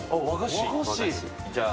じゃあ。